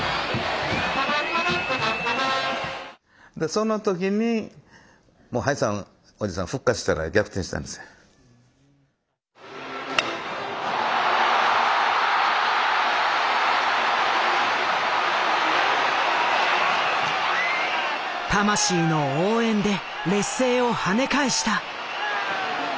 その時に魂の応援で劣勢をはね返した。